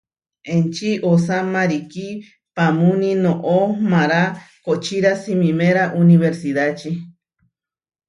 Enči osá marikí paamúni noʼo mará kohčíra simiméra unibersidáči.